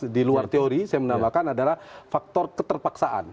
di luar teori saya menambahkan adalah faktor keterpaksaan